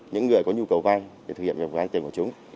những người có nhu cầu vai để thực hiện vào vai tiền của chúng